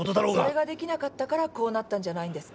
それができなかったからこうなったんじゃないんですか？